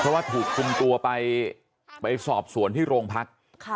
เพราะว่าถูกคุมตัวไปไปสอบสวนที่โรงพัก